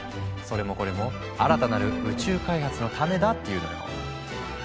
それもこれも新たなる宇宙開発のためだっていうのよ。